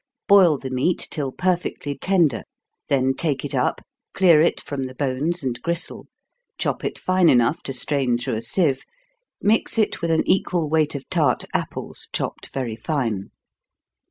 Boil the meat till perfectly tender then take it up, clear it from the bones and gristle, chop it fine enough to strain through a sieve, mix it with an equal weight of tart apples, chopped very fine.